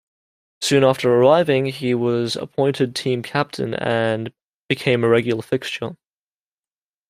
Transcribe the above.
Soon after arriving, he was appointed team captain, and became a regular fixture.